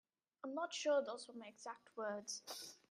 I'm not sure those were my exact words.